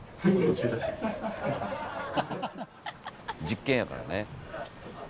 実験やからね。